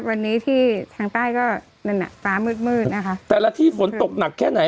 วันนี้ที่ทางใต้ก็นั่นน่ะฟ้ามืดมืดนะคะแต่ละที่ฝนตกหนักแค่ไหน